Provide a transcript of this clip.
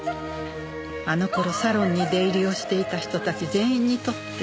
あの頃サロンに出入りをしていた人たち全員にとって。